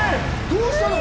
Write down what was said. どうしたの？